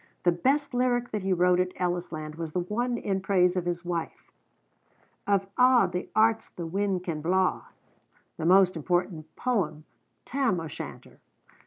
The best lyric that he wrote at Ellisland was the one in praise of his wife ('Of a' the airts the wind can blaw '); the most important poem 'Tam o' Shanter.'